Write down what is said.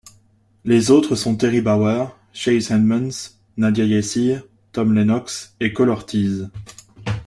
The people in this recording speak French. Les autres sont Teri Bauer, Chase Edmunds, Nadia Yassir, Tom Lennox et Cole Ortiz.